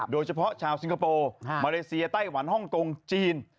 โดยเฉพาะชาวสิงคโปร์มาเลเซียไต้หวันฮ่องกงจีน